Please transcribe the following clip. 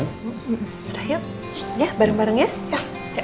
ya bareng bareng ya